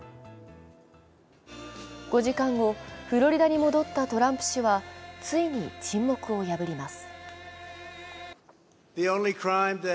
５時間後、フロリダに戻ったトランプ氏は、ついに沈黙を破ります。